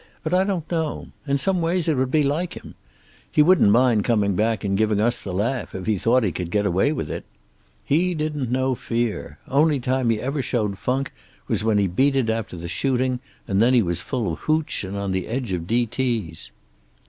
But I don't know. In some ways it would be like him. He wouldn't mind coming back and giving us the laugh, if he thought he could get away with it. He didn't know fear. Only time he ever showed funk was when he beat it after the shooting, and then he was full of hootch, and on the edge of D.T.'s."